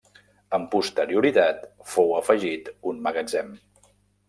Amb posterioritat fou afegit un magatzem.